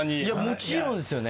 もちろんですよね。